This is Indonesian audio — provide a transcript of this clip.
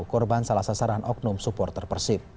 korban salah sasaran oknum supporter persija jakarta